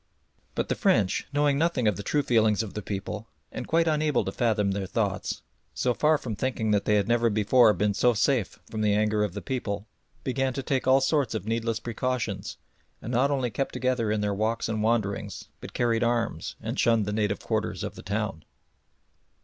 But the French, knowing nothing of the true feelings of the people, and quite unable to fathom their thoughts, so far from thinking that they had never before been so safe from the anger of the people, began to take all sorts of needless precautions, and not only kept together in their walks and wanderings, but carried arms and shunned the native quarters of the town.